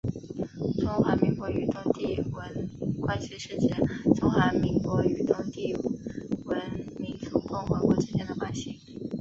中华民国与东帝汶关系是指中华民国与东帝汶民主共和国之间的关系。